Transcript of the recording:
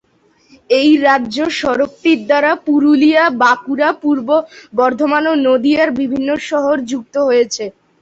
এই রাজ্য সড়কটির দ্বারা পুরুলিয়া, বাঁকুড়া, পূর্ব বর্ধমান ও নদিয়ার বিভিন্ন শহর যুক্ত হয়েছে।